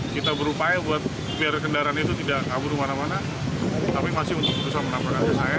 kita berupaya biar kendaraan itu tidak kabur ke mana mana tapi masih berusaha menabraknya saya